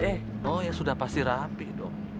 eh oh ya sudah pasti rapi dong